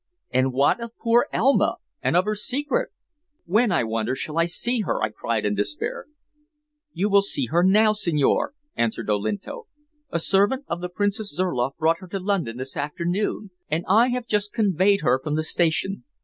"And what of poor Elma and of her secret? When, I wonder, shall I see her?" I cried in despair. "You will see her now, signore," answered Olinto. "A servant of the Princess Zurloff brought her to London this afternoon, and I have just conveyed her from the station.